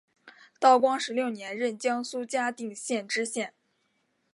道光十六年任江苏嘉定县知县。